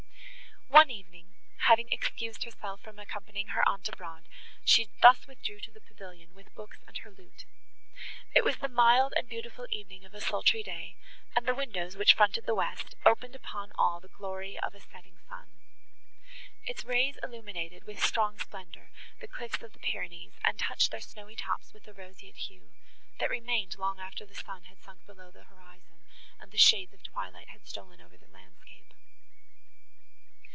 One evening, having excused herself from accompanying her aunt abroad, she thus withdrew to the pavilion, with books and her lute. It was the mild and beautiful evening of a sultry day, and the windows, which fronted the west, opened upon all the glory of a setting sun. Its rays illuminated, with strong splendour, the cliffs of the Pyrenees, and touched their snowy tops with a roseate hue, that remained, long after the sun had sunk below the horizon, and the shades of twilight had stolen over the landscape.